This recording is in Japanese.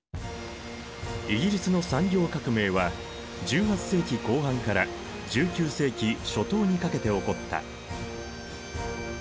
イギリスの産業革命は１８世紀後半から１９世紀初頭にかけて起こった。